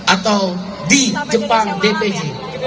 atau di jepang dpc